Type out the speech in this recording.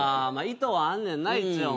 意図はあんねんな一応。